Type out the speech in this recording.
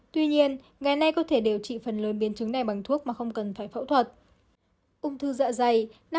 tuy nhiên ngày nay có thể điều trị phần lớn biến chứng này bằng thuốc mà không cần phải phẫu thuật